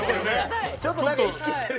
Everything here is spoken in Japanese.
ちょっと何か意識してる。